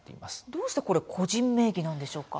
どうして、これ個人名義なんでしょうか。